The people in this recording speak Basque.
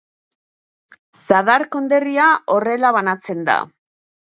Zadar konderria horrela banatzen da.